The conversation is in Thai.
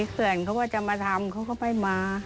เพื่อนเขาก็จะมาทำเขาก็ไม่มา